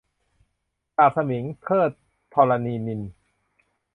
สาปสมิง - เทอด ธรณินทร์